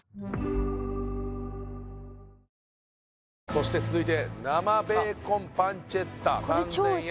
そして続いて生ベーコンパンチェッタ３０００円